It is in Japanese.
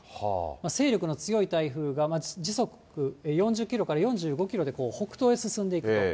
勢力の強い台風が、時速４０キロから４５キロで北東へ進んでいくと。